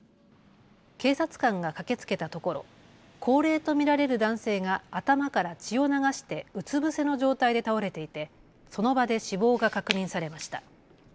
警察官が駆けつけたところ高齢と見られる男性が頭から血を流してうつ伏せの状態で倒れていてその場で死亡が確認されました。